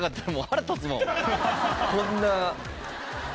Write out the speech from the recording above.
こんな。